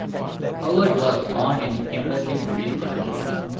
Howard was born in Kimberley, British Columbia.